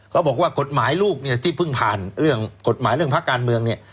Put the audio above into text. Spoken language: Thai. เขาบอกว่ากฎหมายลูกเนี่ยที่เพิ่งผ่านเรื่องกฎหมายเรื่องพักการเมืองเนี่ย